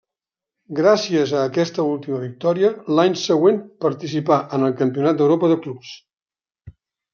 Gràcies a aquesta última victòria l'any següent participà en el Campionat d'Europa de clubs.